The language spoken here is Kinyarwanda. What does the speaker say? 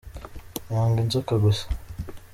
Nanga inzoka gusa.